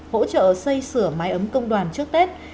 hỗ trợ xây sửa mái ấm công đoàn trước tết